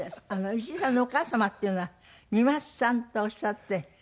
石井さんのお母様っていうのは三升さんとおっしゃって。